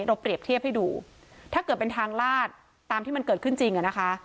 เปรียบเทียบให้ดูถ้าเกิดเป็นทางลาดตามที่มันเกิดขึ้นจริงอ่ะนะคะ